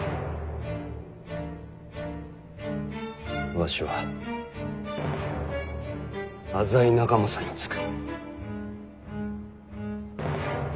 わしは浅井長政につく。